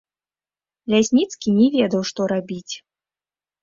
Лясніцкі не ведаў, што рабіць.